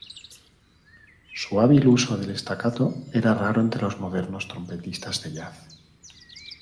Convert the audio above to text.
Su hábil uso del staccato era raro entre los modernos trompetistas de jazz.